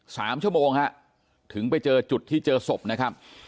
สามชั่วโมงฮะถึงไปเจอจุดที่เจอศพนะครับ